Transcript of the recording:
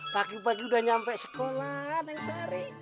pagi pagi udah nyampe sekolah kadang sari